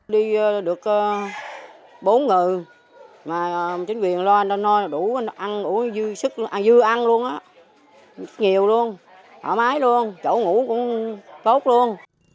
đi được bốn người mà chính quyền lo anh đó đủ ăn uống dưa ăn luôn á nhiều luôn thoải mái luôn chỗ ngủ cũng tốt luôn